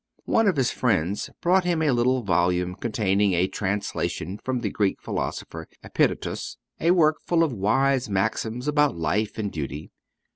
One of his friends bought for him a little volume containing a translation from the Greek philosopher Epictetus, a work full of wise maxims about life and duty.